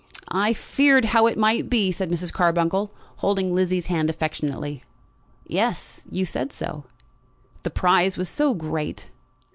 "I feared how it might be," said Mrs. Carbuncle, holding Lizzie's hand affectionately. "Yes; you said so." "The prize was so great."